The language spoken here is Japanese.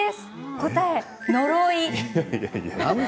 答えは呪い。